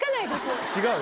違う？